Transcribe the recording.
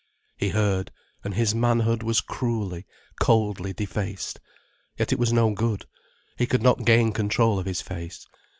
He heard, and his manhood was cruelly, coldly defaced. Yet it was no good. He could not gain control of his face.